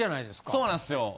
そうなんっすよ。